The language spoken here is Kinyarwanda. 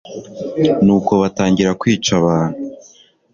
nuko batangira kwica abantu